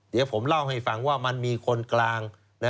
เดี๋ยวผมเล่าให้ฟังว่ามันมีคนกลาง